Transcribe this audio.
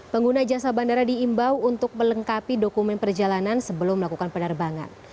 pengguna jasa bandara diimbau untuk melengkapi dokumen perjalanan sebelum melakukan penerbangan